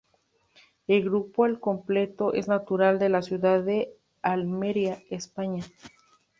El grupo al completo es natural de la ciudad de Almería, España.